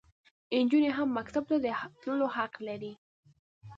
انجونې هم مکتب ته د تللو حق لري.